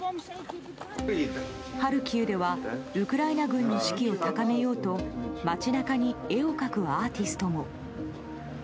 ハルキウではウクライナ軍の士気を高めようと街中に絵を描くアーティストも。